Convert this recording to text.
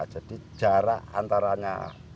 jadi jarak antaranya